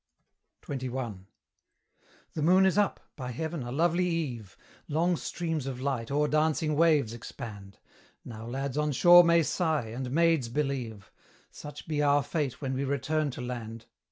XXI. The moon is up; by Heaven, a lovely eve! Long streams of light o'er dancing waves expand! Now lads on shore may sigh, and maids believe: Such be our fate when we return to land!